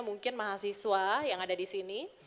mungkin mahasiswa yang ada disini